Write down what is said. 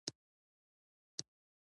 په موزیم کې مې شاوخوا څلور ساعت تېر کړل.